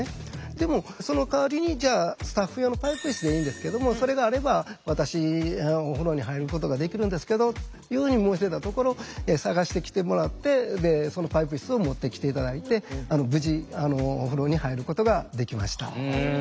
でもそのかわりにじゃあスタッフ用のパイプいすでいいんですけどもそれがあれば私お風呂に入ることができるんですけどいうふうに申し出たところ探してきてもらってそのパイプいすを持ってきて頂いて無事お風呂に入ることができました。